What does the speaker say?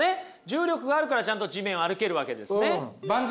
重力があるからちゃんと地面を歩けるわけですね。